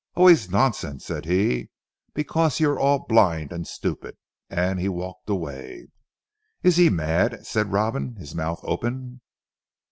"Always nonsense," said he, "because you are all blind and stupid." And he walked away. "Is he mad?" said Robin, his mouth open.